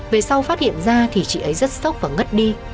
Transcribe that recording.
về sau phát hiện ra thì chị ấy rất sốc và ngất đi